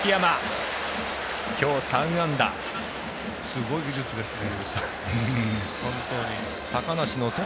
すごい技術ですね。